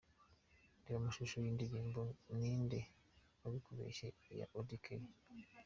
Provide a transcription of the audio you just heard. Reba amashusho y'indirimbo Ninde wabikubeshye ya Auddy Kelly.